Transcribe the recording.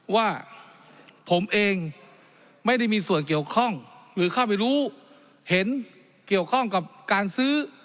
ว่าผมเองไม่ได้มีส่วนเกี่ยวข้องหรือเข้าไปรู้เห็นเกี่ยวข้องกับการซื้อ